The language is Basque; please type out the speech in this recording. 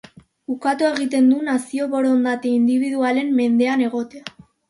Ukatu egiten du nazioa borondate indibidualen mendean egotea.